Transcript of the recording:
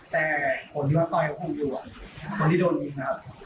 แต่คนที่มาต่อยกับผมอยู่คนที่โดนยิงครับ